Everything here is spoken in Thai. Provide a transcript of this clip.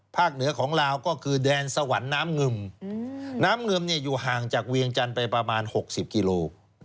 เหนือของลาวก็คือแดนสวรรค์น้ำงึมน้ำงึมอยู่ห่างจากเวียงจันทร์ไปประมาณ๖๐กิโล